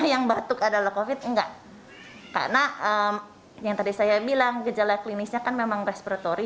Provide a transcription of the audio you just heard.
yang batuk adalah kofit enggak karena yang tadi saya bilang gejala klinisnya kan memang respiratory